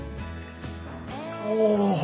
お！